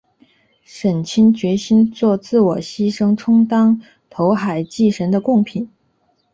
沈清决心作自我牺牲充当投海祭神的供品。